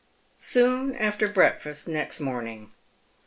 Soon after breakfast next morning.